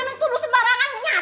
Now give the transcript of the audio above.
maen tuduh sembarangan